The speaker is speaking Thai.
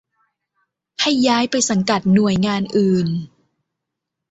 ให้ย้ายไปสังกัดหน่วยงานอื่น